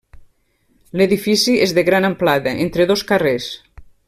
L'edifici és de gran amplada, entre dos carrers.